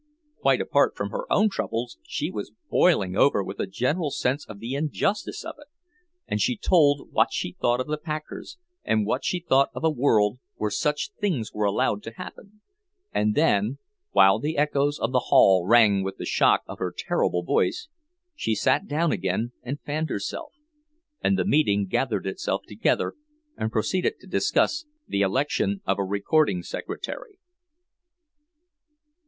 Quite apart from her own troubles she was boiling over with a general sense of the injustice of it, and she told what she thought of the packers, and what she thought of a world where such things were allowed to happen; and then, while the echoes of the hall rang with the shock of her terrible voice, she sat down again and fanned herself, and the meeting gathered itself together and proceeded to discuss the election of a recording secretary.